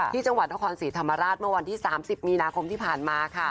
ที่จังหวัดนครศรีธรรมราชเมื่อวันที่๓๐มีนาคมที่ผ่านมาค่ะ